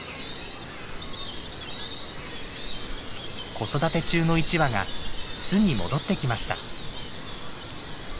子育て中の一羽が巣に戻ってきました。